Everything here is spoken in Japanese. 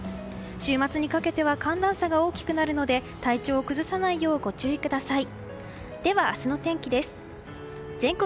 週末にかけては寒暖差が大きくなるので体調を崩さないようご注意ください。